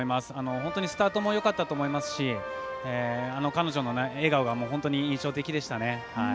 本当にスタートもよかったと思いますし彼女の笑顔が本当に印象的でしたね。